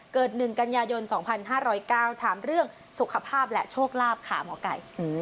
๑กันยายน๒๕๐๙ถามเรื่องสุขภาพและโชคลาภค่ะหมอไก่